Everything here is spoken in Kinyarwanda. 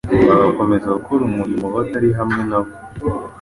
bagakomeza gukora umurimo batari hamwe nawe,